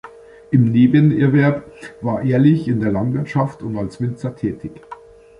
Im Nebenerwerb war Ehrlich in der Landwirtschaft und als Winzer tätig.